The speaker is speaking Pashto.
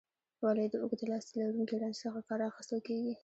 ولې د اوږد لاستي لرونکي رنچ څخه کار اخیستل کیږي؟